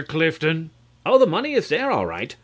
CLIFTON. Oh, the money is there all right.